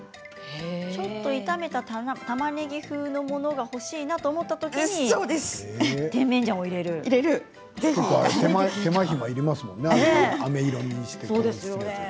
ちょっと炒めたたまねぎ風のものが欲しいなと思ったときに甜麺醤を入れるんですね。